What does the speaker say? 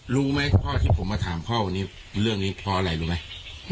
รู้ไหมพ่อที่ผมมาถามพ่อวันนี้เรื่องนี้เพราะอะไรรู้ไหม